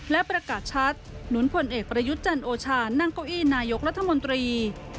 และประกาศชัดหนุนผลเอกประยุทธ์จันโอชานั่งเก้าอี้นายกรัฐมนตรี